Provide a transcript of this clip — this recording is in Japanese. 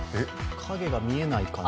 影が見えないかな？